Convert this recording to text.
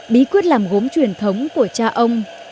bí quyết làm gốm truyền thống của cha ông